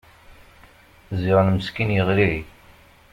Ziɣen meskin yeɣli.